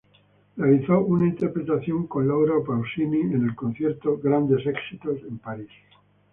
Realizó una interpretación con Laura Pausini en el concierto Grandes Éxitos en París.